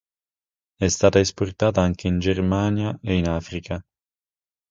È stata esportata anche in Germania e in Africa.